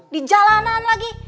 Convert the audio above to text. di jalanan lagi